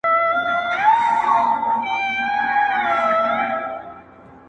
دا نه په توره نه په زور وځي له دغه ښاره.